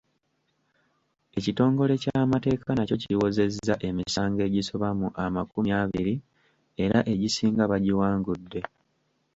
Ekitongole ky’amateeka nakyo kiwozezza emisango egisoba mu amakumi abiri era egisinga bagiwangudde.